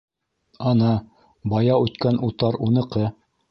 Ана, бая үткән утар уныҡы.